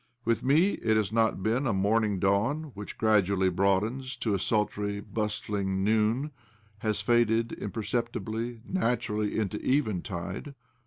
With me it has not been a morning dawn which, gradually broadening; to a sultry, bustling noon, has faded, impercept \ibly, naturally, into eventide.